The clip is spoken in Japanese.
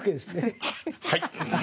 はい！